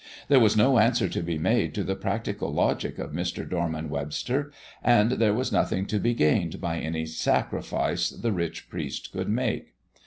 There was no answer to be made to the practical logic of Mr. Dorman Webster, and there was nothing to be gained by any sacrifice the rich priest could make.